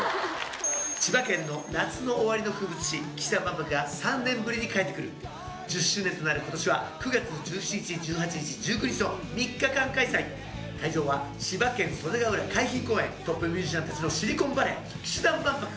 千葉県の夏の終わりの風物詩氣志團万博が３年ぶりに帰ってくる１０周年となる今年は９月１７日１８日１９日と３日間開催会場は千葉県袖ケ浦海浜公園トップミュージシャン達のシリコンバレー氣志團万博